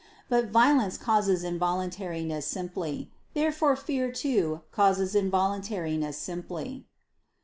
But violence causes involuntariness simply. Therefore fear too causes involuntariness simply.